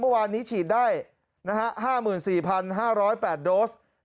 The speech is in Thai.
เมื่อวานนี้ฉีดได้๕๔๕๐๘โดส